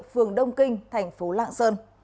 phường đông kinh thành phố lạng sơn